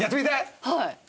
はい。